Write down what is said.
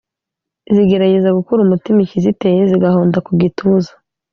zigerageza gukura umutima ikiziteye, zigahonda ku gituza